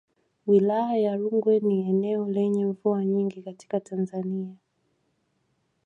Wilaya ya Rungwe ni eneo lenye mvua nyingi katika Tanzania